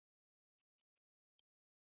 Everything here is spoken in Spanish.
Third School on Cosmic Rays and Astrophysics.